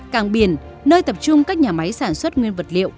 càng biển nơi tập trung các nhà máy sản xuất nguyên vật liệu